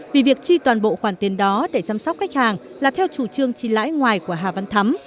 vì việc chi toàn bộ khoản tiền đó để chăm sóc khách hàng là theo chủ trương chi lãi ngoài của hà văn thắm